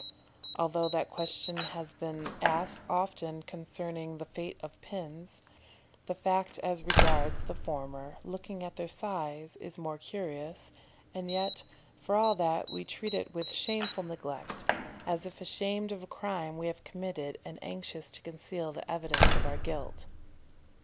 Although that question has often been asked concerning the fate of pins, the fact as regards the former, looking at their size, is more curious and yet, for all that, we treat it with shameful neglect, as if ashamed of a crime we have committed and anxious to conceal the evidences of our guilt.